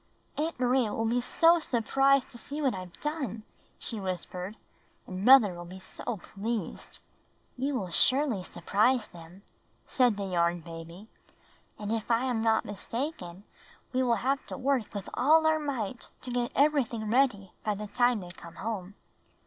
''Aunt Maria will be so surprised to see what IVe done," she whispered. "And mother will be so pleased." "You surely will surprise them," said the Yarn Baby, "and if I am not mistaken we will have to work with all our might to get everything ready by the time they come home."